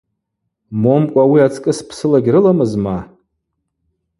Момкӏва ауи ацкӏыс псыла гьрыламызма?